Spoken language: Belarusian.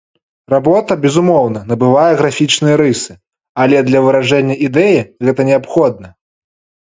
Работа, безумоўна, набывае графічныя рысы, але для выражэння ідэі гэта неабходна.